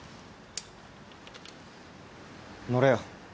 乗れよ。